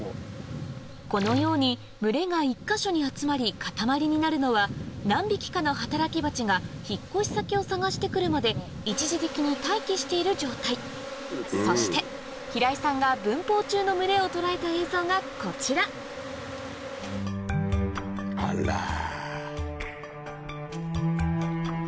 このように群れが１か所に集まり固まりになるのは何匹かの働き蜂が引っ越し先を探して来るまで一時的に待機している状態そして平井さんが分蜂中の群れを捉えた映像がこちらあらぁ。